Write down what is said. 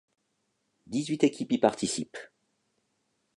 Dix-huit équipes y participent.